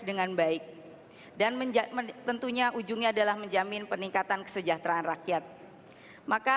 dengan baik dan tentunya ujungnya adalah menjamin peningkatan kesejahteraan rakyat maka